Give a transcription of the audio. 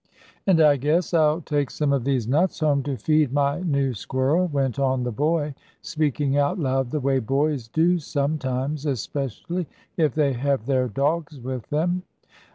"And I guess I'll take some of these nuts home to feed my new squirrel," went on the boy, speaking out loud the way boys do sometimes, especially if they have their dogs with them.